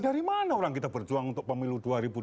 dari mana orang kita berjuang untuk pemilu dua ribu dua puluh